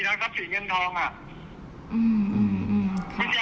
แล้วก็ยังมีทางทรัพย์สีเงินทอง